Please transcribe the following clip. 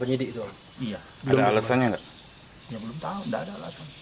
penyidik itu iya itu penyidik itu iya itu alasannya enggak ya belum tahu ada alasan